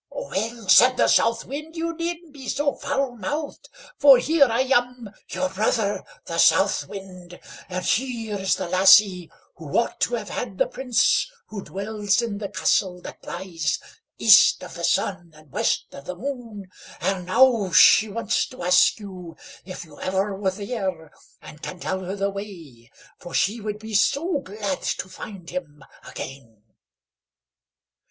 "Well," said the South Wind, "you needn't be so foul mouthed, for here I am, your brother, the South Wind, and here is the lassie who ought to have had the Prince who dwells in the castle that lies East of the Sun and West of the Moon, and now she wants to ask you if you ever were there, and can tell her the way, for she would be so glad to find him again."